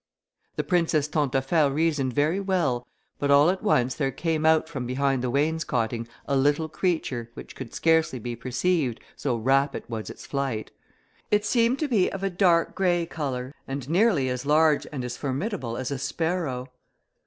The princess Tantaffaire reasoned very well, but all at once there came out from behind the wainscoting a little creature, which could scarcely be perceived, so rapid was its flight; it seemed to be of a dark grey colour, and nearly as large and as formidable as a sparrow.